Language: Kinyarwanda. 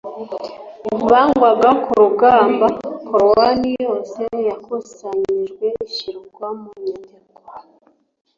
bagwaga ku rugamba, korowani yose yarakusanyijwe ishyirwa mu nyandiko.”